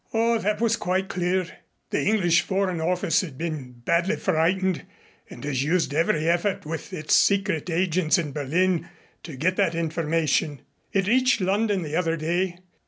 "Oh, that was quite clear. The English Foreign Office has been badly frightened and has used every effort with its secret agents in Berlin to get that information. It reached London the other day.